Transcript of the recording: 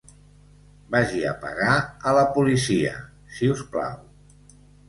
Vagi a pagar a la policia, si us plau.